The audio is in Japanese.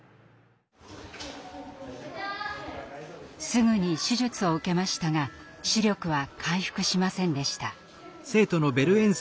すぐに手術を受けましたが視力は回復しませんでした。